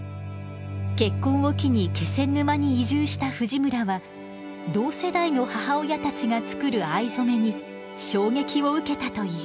結婚を機に気仙沼に移住した藤村は同世代の母親たちが作る藍染めに衝撃を受けたという。